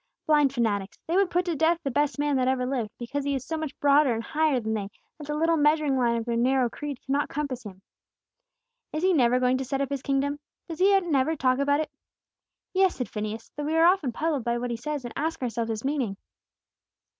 "Blind fanatics! They would put to death the best man that ever lived, because He is so much broader and higher than they that the little measuring line of their narrow creed cannot compass Him!" "Is He never going to set up His kingdom?" asked Joel. "Does He never talk about it?" "Yes," said Phineas; "though we are often puzzled by what He says, and ask ourselves His meaning."